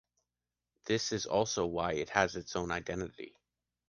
This is also why it has its own identity.